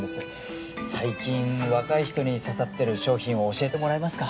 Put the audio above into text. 最近若い人に刺さってる商品を教えてもらえますか？